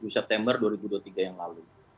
tujuh september dua ribu dua puluh tiga yang lalu